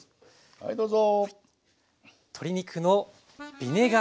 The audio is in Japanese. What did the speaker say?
はいどうぞ。